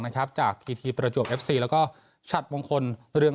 นะครับจากพีทีประจวกเอฟซีแล้วก็ฉัตบงคนเรือง